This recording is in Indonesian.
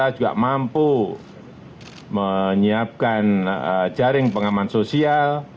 kita juga mampu menyiapkan jaring pengaman sosial